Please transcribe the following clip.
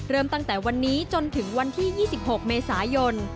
ตั้งแต่วันนี้จนถึงวันที่๒๖เมษายน